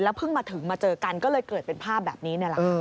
แล้วเพิ่งมาถึงเจอกันก็เลยเกิดเป็นภาพแบบนี้